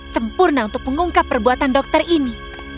sempurna untuk mengungkap perbuatan dokter ini